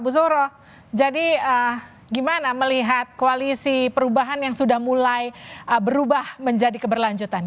bu zoro jadi gimana melihat koalisi perubahan yang sudah mulai berubah menjadi keberlanjutan